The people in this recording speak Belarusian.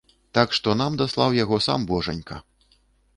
Так што, нам даслаў яго сам божанька.